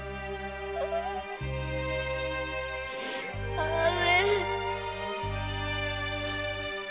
母上！